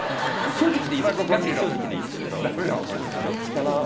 正直でいいですよ。